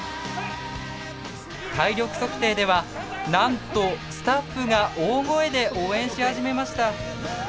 体力測定ではなんとスタッフが大声で応援し始めました。